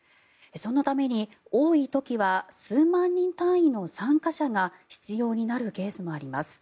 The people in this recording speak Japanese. そのために、多い時は数万人単位の参加者が必要になるケースもあります。